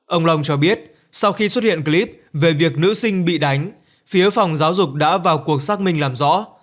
ông long cho biết sau khi xuất hiện clip về việc nữ sinh bị đánh phía phòng giáo dục đã vào cuộc xác minh làm rõ